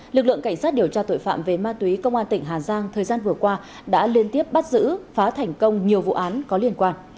lực lượng cảnh sát điều tra tội phạm về ma túy công an tỉnh hà giang thời gian vừa qua đã liên tiếp bắt giữ phá thành công nhiều vụ án có liên quan